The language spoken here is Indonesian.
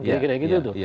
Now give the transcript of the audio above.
kira kira gitu tuh